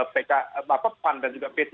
pan dan juga p tiga